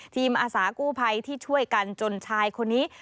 อาสากู้ภัยที่ช่วยกันจนชายคนนี้